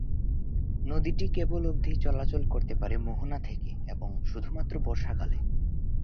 নদীটি কেবল অবধি চলাচল করতে পারে মোহনা থেকে, এবং শুধুমাত্র বর্ষাকালে।